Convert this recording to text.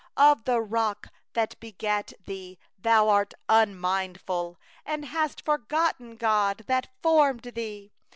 18Of the Rock that begot thee thou wast unmindful, And didst forget God that bore thee.